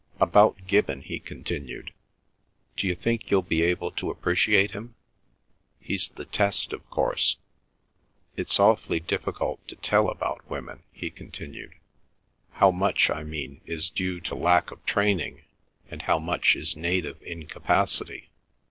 "About Gibbon," he continued. "D'you think you'll be able to appreciate him? He's the test, of course. It's awfully difficult to tell about women," he continued, "how much, I mean, is due to lack of training, and how much is native incapacity.